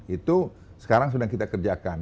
itu sekarang sedang kita kerjakan